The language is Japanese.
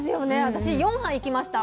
私４杯いきました